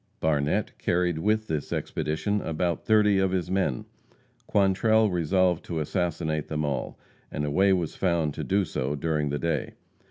Barnette carried with this expedition about thirty of his men. Quantrell resolved to assassinate them all, and a way was found to do so during the day.